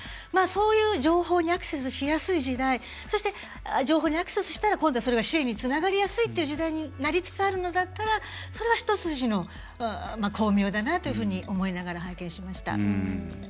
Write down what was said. そういう情報にアクセスしやすい時代そして、情報にアクセスしたら今度は、それが支援につながりやすいっていう時代になりつつあるのだったらそれは一筋の光明だなというふうに思いながら拝見しました。